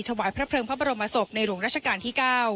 ถวายพระเพลิงพระบรมศพในหลวงราชการที่๙